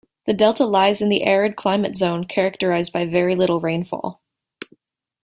The delta lies in the arid climate zone, characterized by very little rainfall.